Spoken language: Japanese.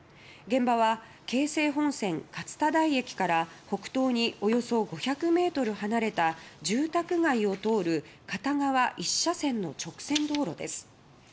現場は、京成本線勝田台駅から北東におよそ５００ｍ離れた住宅街を通る片側一車線の直線道路です。